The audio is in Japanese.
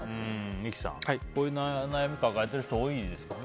三木さん、こういう悩み抱えてる人、多いですかね。